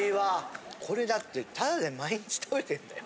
これだってタダで毎日食べてんだよ。